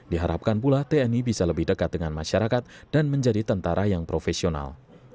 diharapkan pula tni bisa lebih dekat dengan masyarakat dan menjadi tentara yang profesional